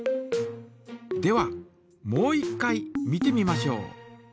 ではもう一回見てみましょう。